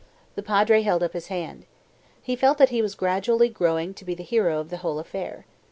The Padre held up his hand. He felt that he was gradually growing to be the hero of the whole affair.